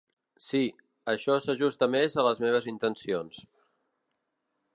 Sí, això s'ajusta més a les meves intencions.